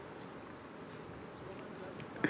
え？